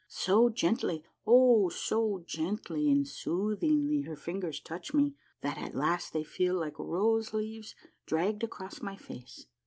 So gently, Oh, so gently and soothingly her fingers touch me that at last they feel like rose leaves dragged across my face.